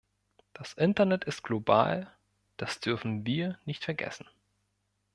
Das Internet ist global, das dürfen wir nicht vergessen.